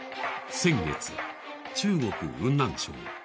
先月、中国・雲南省。